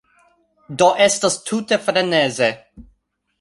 Do estas tute freneze.